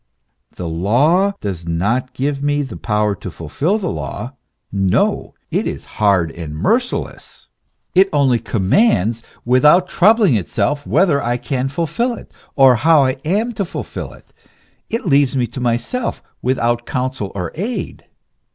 The law does not give me the power to fulfil the law; no ! it is hard and merciless; it only commands, without troubling itself whether I can fulfil it, or how I am to fulfil it ; it leaves me to myself, without counsel or aid.